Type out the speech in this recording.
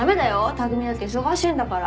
匠だって忙しいんだから。